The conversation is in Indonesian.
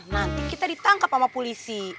nanti kita ditangkap sama polisi